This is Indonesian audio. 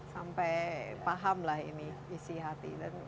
sampai pahamlah ini isi hati